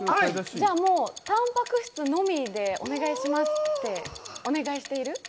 じゃあタンパク質のみでお願いしますってお願いしている。